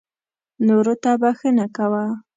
نورو ته بښنه کوه .